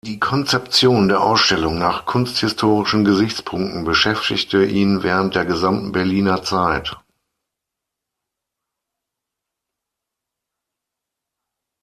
Die Konzeption der Ausstellung nach kunsthistorischen Gesichtspunkten beschäftigte ihn während der gesamten Berliner Zeit.